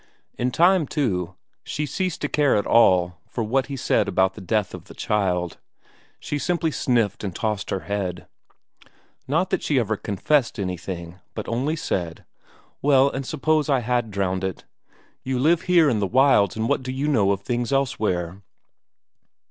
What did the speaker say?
In time, too, she ceased to care at all for what he said about the death of the child. She simply sniffed and tossed her head. Not that she ever confessed anything, but only said: "Well, and suppose I had drowned it? You live here in the wilds and what do you know of things elsewhere?"